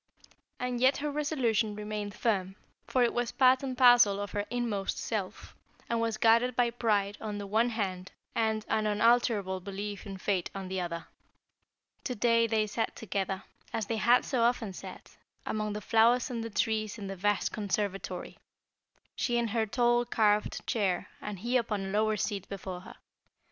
And yet her resolution remained firm, for it was part and parcel of her inmost self, and was guarded by pride on the one hand and an unalterable belief in fate on the other. To day they sat together, as they had so often sat, among the flowers and the trees in the vast conservatory, she in her tall, carved chair and he upon a lower seat before her.